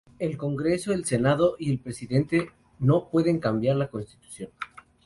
El Congreso, el Senado y el Presidente no pueden cambiar la constitución".